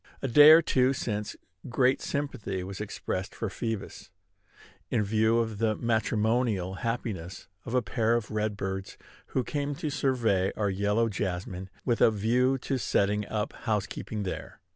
A day or two since, great sympathy was expressed for Phoebus, in view of the matrimonial happiness of a pair of red birds who came to survey our yellow jessamine with a view to setting up housekeeping there.